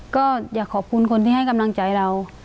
ก็อยากขอบคุณคนที่ให้กำลังใจเรา